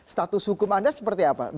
status hukum anda seperti apa